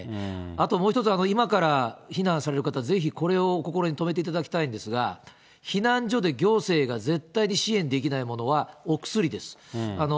あともう一つ、今から避難される方、ぜひ、これを心にとめていただきたいんですが、避難所で行政が絶対に支援できないものは、お薬です。